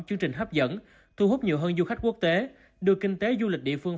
chương trình hấp dẫn thu hút nhiều hơn du khách quốc tế đưa kinh tế du lịch địa phương